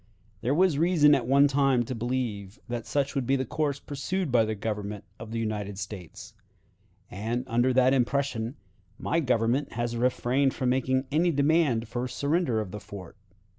There was reason at one time to believe that such would be the course pursued by the Government of the United States; and, under that impression, my Government has refrained from making any demand for the surrender of the fort.